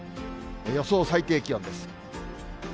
予想最低気温です。